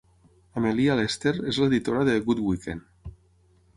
Amelia Lester és l'editora de "Good Weekend".